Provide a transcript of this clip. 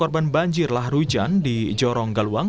korban banjir lahrujan di jorong galuang